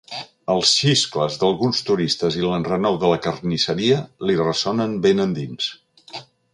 Els xiscles d'alguns turistes i l'enrenou de la carnisseria li ressonen ben endins.